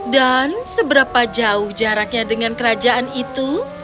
dan seberapa jauh jaraknya dengan kerajaan itu